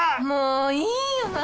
もういいよ